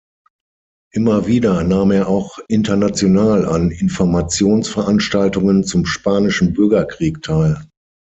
Immer wieder nahm er auch international an Informationsveranstaltungen zum spanischen Bürgerkrieg teil.